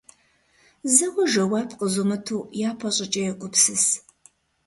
Зэуэ жэуап къызумыту, япэ щӏыкӏэ, егупсыс.